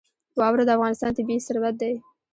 واوره د افغانستان طبعي ثروت دی.